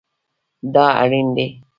دا اړین دی